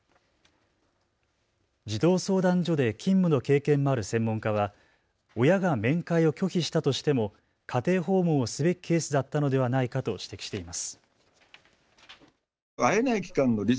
児童相談所で勤務の経験もある専門家は親が面会を拒否したとしても家庭訪問をすべきケースだったのではないかと指摘しています。